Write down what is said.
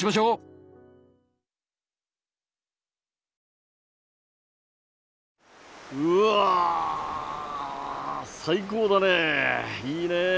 うわ最高だね。